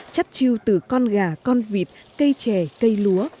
chất chiêu từ con gà con vịt cây trẻ cây lúa